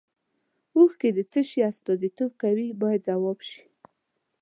اوښکې د څه شي استازیتوب کوي باید ځواب شي.